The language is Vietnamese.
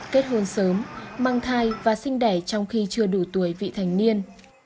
kết hôn sớm mang thai và sinh đẻ trong khi chưa đủ tuổi vị thành niên